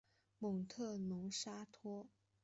蒙特龙勒沙托。